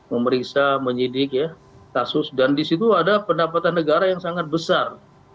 memeriksa menyidik ya kasus dan di situ ada pendapatan negara yang sangat besar